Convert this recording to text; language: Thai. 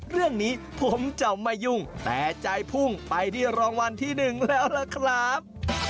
เรื่องนี้ผมจะไม่ยุ่งแต่ใจพุ่งไปที่รางวัลที่หนึ่งแล้วล่ะครับ